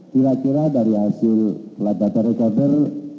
kira kira dari hasil data recorder